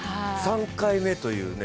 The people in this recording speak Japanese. ３回目というね。